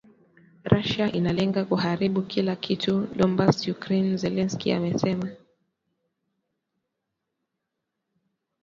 Russia inalenga kuharibu kila kitu Donbas Ukraine Zelensky amesema